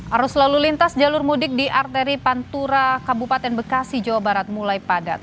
arus lalu lintas jalur mudik di arteri pantura kabupaten bekasi jawa barat mulai padat